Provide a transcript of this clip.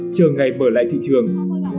chờ ngày mở lại thị trường